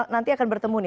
nanti akan bertemu nih